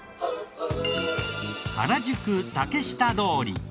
原宿・竹下通り。